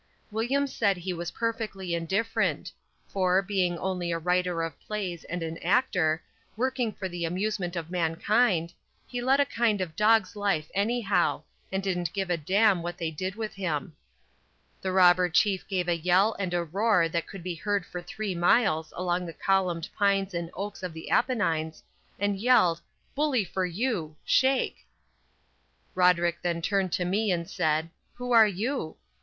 William said he was perfectly indifferent; for, being only a writer of plays and an actor, working for the amusement of mankind, he led a kind of dog's life anyhow, and didn't give a damn what they did with him. The Robber Chief gave a yell and a roar that could be heard for three miles among the columned pines and oaks of the Apennines, and yelled, "Bully for you! Shake!" Roderick then turned to me and said, "Who are you?"